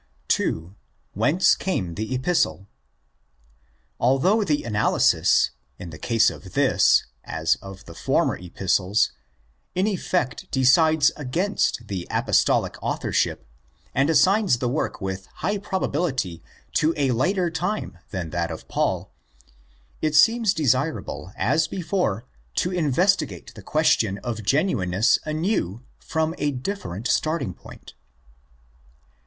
2.—WHENCE CAME THE EPISTLE ? Although the analysis, in the case of this as of the former Epistles, in effect decides against the Apostolic authorship, and assigns the work with high proba bility to a later time than that of Paul, it seems desirable, as before, to investigate the question of genuineness anew from a different starting point.